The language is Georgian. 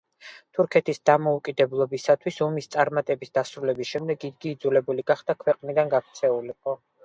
თურქეთის დამოუკიდებლობისათვის ომის წარმატებით დასრულების შემდეგ იგი იძულებული გახდა ქვეყნიდან გაქცეულიყო.